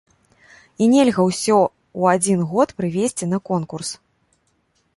І нельга ўсё ў адзін год прывезці на конкурс.